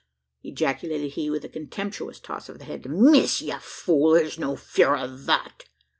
ejaculated he with a contemptuous toss of the head "miss, ye fool! thur's no fear o' that."